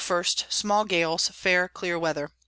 _ Small Gales, fair clear Weather.